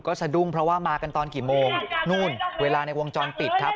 ก็สะดุ้งเพราะว่ามากันตอนกี่โมงนู่นเวลาในวงจรปิดครับ